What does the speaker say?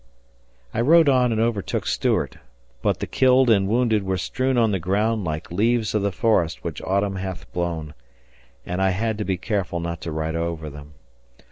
I rode on and overtook Stuart, but the killed and wounded were strewn on the ground "like leaves of the forest when autumn hath blown", and I had to be careful not to ride over them.